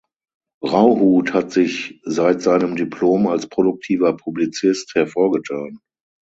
Rauhut hat sich seit seinem Diplom als produktiver Publizist hervorgetan.